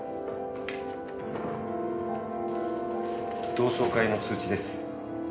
同窓会の通知です。